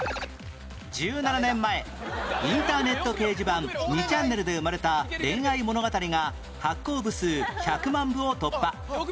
１７年前インターネット掲示板２ちゃんねるで生まれた恋愛物語が発行部数１００万部を突破